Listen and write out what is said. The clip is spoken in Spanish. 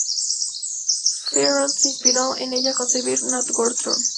Finrod se inspiró en ella al concebir Nargothrond.